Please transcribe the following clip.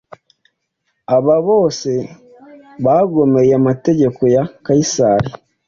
Aba bose bagomeye amategeko ya Kayisari,